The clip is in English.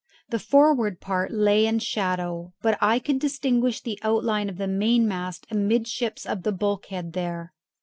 The forward part lay in shadow, but I could distinguish the outline of the mainmast amidships of the bulkhead there.